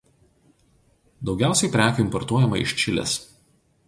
Daugiausiai prekių importuojama iš Čilės.